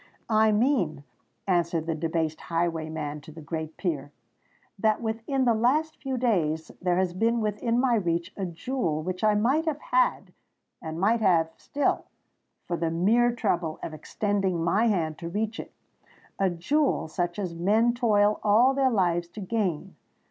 "I mean," answered the debased highwayman to the great peer, "that within the last few days there has been within my reach a jewel which I might have had, and might still have, for the mere trouble of extending my hand to reach it: a jewel such as men toil all their lives to gain!